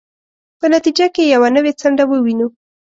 په نتیجه کې یوه نوې څنډه ووینو.